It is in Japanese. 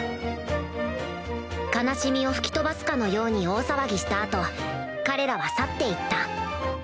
悲しみを吹き飛ばすかのように大騒ぎした後彼らは去って行った